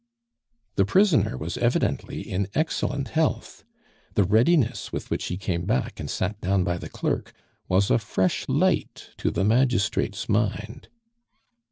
The prisoner was evidently in excellent health; the readiness with which he came back, and sat down by the clerk, was a fresh light to the magistrate's mind.